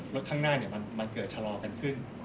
ข้างหน้ามันเกิดชะลอกันขึ้น